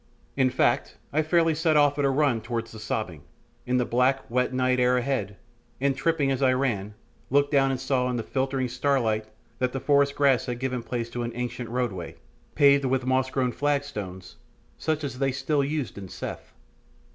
In fact, I fairly set off at the run towards the sobbing, in the black, wet, night air ahead, and, tripping as I ran, looked down and saw in the filtering starlight that the forest grass had given place to an ancient roadway, paved with moss grown flag stones, such as they still used in Seth.